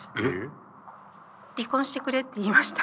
離婚してくれって言いました。